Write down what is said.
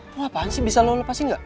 mau apaan sih bisa lo lepasin gak